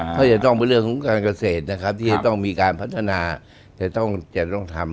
ก็จะต้องเป็นเรื่องของการเกษตรนะครับที่จะต้องมีการพัฒนาจะต้องทำ